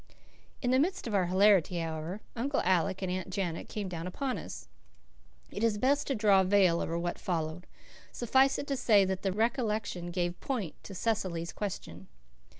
In the midst of our hilarity, however, Uncle Alec and Aunt Janet came down upon us. It is best to draw a veil over what followed. Suffice it to say that the recollection gave point to Cecily's question.